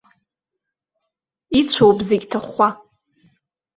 Ицәоуп зегь ҭахәхәа.